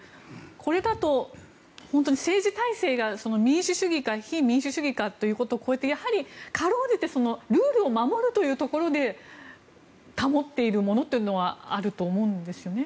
これだと、政治体制が民主主義か非民主主義かというところを超えて、かろうじてルールを守るというところで保っているものというのはあると思うんですよね。